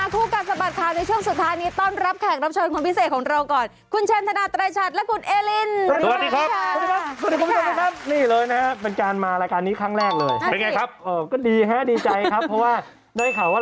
คู่กัศสมัติเค้า